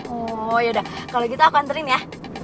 oh ya udah kalo gitu aku anterin ya